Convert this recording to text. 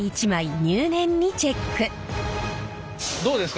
どうですか？